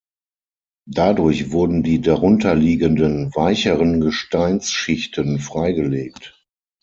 Dadurch wurden die darunterliegenden weicheren Gesteinsschichten freigelegt.